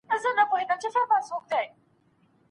هغه کولای سي اوږده پاڼه ډنډ ته یوسي.